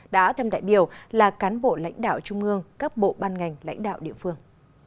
đã đem đại biểu là cán bộ lãnh đạo trung ương các bộ ban ngành lãnh đạo địa phương